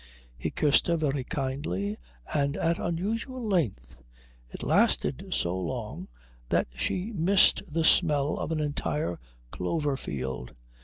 He kissed her very kindly and at unusual length. It lasted so long that she missed the smell of an entire clover field.